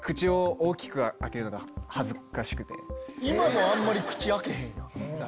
今もあんまり口開けへんやん。